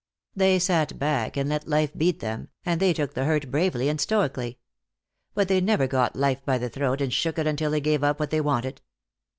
They sat back, and let life beat them, and they took the hurt bravely and stoically. But they never got life by the throat and shook it until it gave up what they wanted.